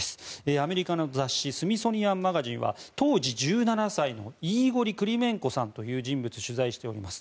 アメリカの雑誌「スミソニアンマガジン」は当時１７歳のイーゴリ・クリメンコさんという人物を取材しています。